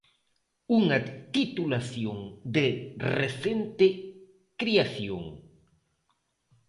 Unha titulación de recente creación.